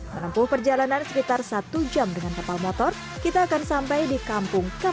menempuh perjalanan sekitar satu jam dengan kapal motor kita akan sampai di kampung kampung